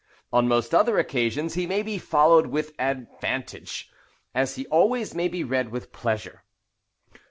On most other occasions he may be followed with advantage, as he always may be read with pleasure.